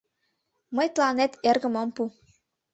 Мый тыланет эргым ом пу.